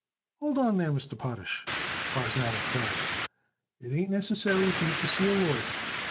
"Hold on there, Mr. Potash," Prosnauer cried. "It ain't necessary for you to see a lawyer.